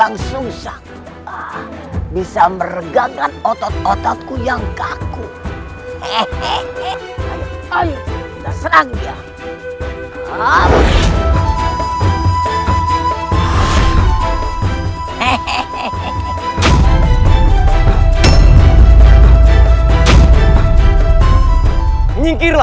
kau tidak ada waktu untuk meladenimu bocah kecil